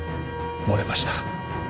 漏れました。